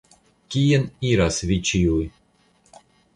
Kien iras vi ĉiuj?